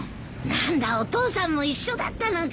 何だお父さんも一緒だったのか。